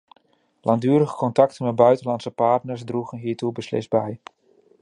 Langdurige contacten met buitenlandse partners droegen hiertoe beslist bij.